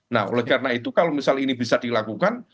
nah oleh karena itu kalau misal ini bisa dilakukan